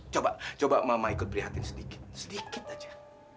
coba coba mama ikut prihatin sedikit sedikit aja